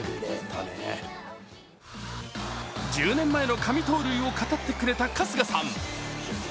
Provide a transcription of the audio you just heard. １０年前の神盗塁を語ってくれた春日さん。